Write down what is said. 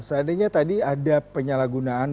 seandainya tadi ada penyalahgunaan